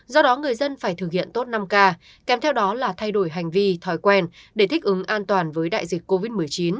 do đó người dân phải thực hiện tốt năm k kèm theo đó là thay đổi hành vi thói quen để thích ứng an toàn với đại dịch covid một mươi chín